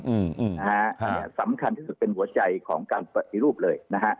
อืมอืมมาฮะอ่าสำคัญที่สุดเป็นหัวใจของการประสิทธิ์รูปเลยนะฮะ